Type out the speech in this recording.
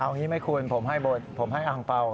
เอางี้ไหมคุณผมให้บทผมให้อังเปล่า